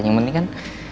yang penting kan